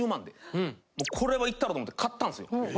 これはいったろと思って買ったんすよ。